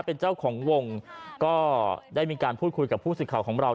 เป็นเจ้าของวงก็ได้มีการพูดคุยกับผู้สิทธิ์ข่าวของเรา